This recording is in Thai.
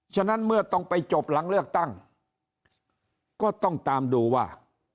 ฉะนั้นเมื่อต้องไปจบหลังเลือกตั้งก็ต้องตามดูว่า